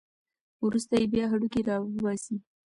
وروسته یې بیا هډوکي راوباسي.